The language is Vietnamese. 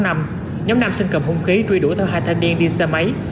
nhóm nam sân cầm hùng khí truy đuổi theo hai thanh niên đi xe máy